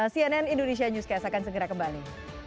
cnn indonesia newscast akan segera kembali